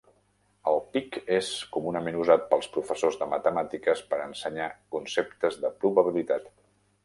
El "pig" és comunament usat pels professors de matemàtiques per ensenyar conceptes de probabilitat.